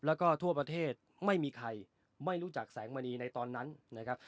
แล้วก็ทั่วประเทศไม่มีใครไม่รู้จักแสงมณีในตอนนั้นนะครับ